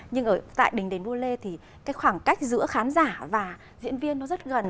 nhưng ở tại đình đền bu lê thì cái khoảng cách giữa khán giả và diễn viên nó rất gần